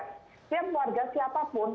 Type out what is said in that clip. setiap warga siapapun